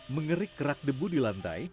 mengerik kerak debu di lantai